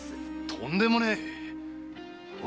とんでもねえ！